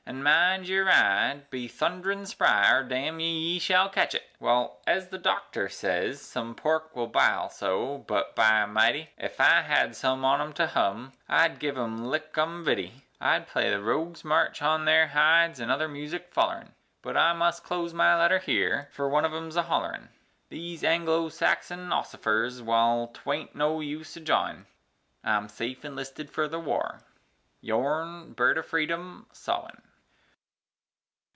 An' mind your eye, be thund'rin spry, or damn ye, you shall ketch it!" Wal, ez the Doctor sez, some pork will bile so, but by mighty, Ef I hed some on 'em to hum, I'd give 'em linkumvity, I'd play the rogue's march on their hides an' other music follerin' But I must close my letter here for one on 'em 's a hollerin', These Anglosaxon ossifers wal, taint no use a jawin', I'm safe enlisted fer the war, Yourn, BIRDOFREDOM SAWIN.